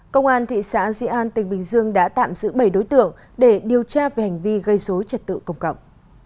công an thị xã di an tỉnh bình dương đã tạm giữ bảy đối tượng để điều tra về hành vi gây dối trật tự công cộng